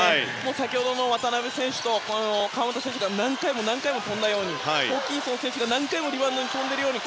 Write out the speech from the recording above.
先ほどの渡邊選手と川真田選手が何回も跳んだようにホーキンソン選手が何回もリバウンドに跳んでいるような。